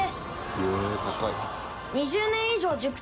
へえー高い！